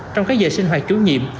trong các giờ sinh hoạt chủ nhiệm